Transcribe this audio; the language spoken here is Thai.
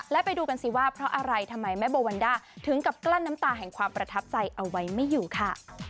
และไปดูกันสิว่าเพราะอะไรทำไมแม่โบวันด้าถึงกับกลั้นน้ำตาแห่งความประทับใจเอาไว้ไม่อยู่ค่ะ